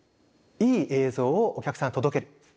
いい映像をお客さんに届ける。